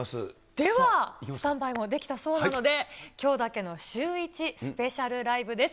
では、スタンバイもできたそうなので、きょうだけのシューイチスペシャルライブです。